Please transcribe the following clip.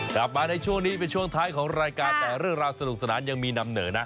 กลับมาในช่วงนี้เป็นช่วงท้ายของรายการแต่เรื่องราวสนุกสนานยังมีนำเหนอนะ